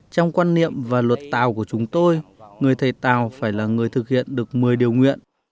trong quan niệm và luật tàu của chúng tôi người thầy tàu phải là người thực hiện được một mươi điều nguyện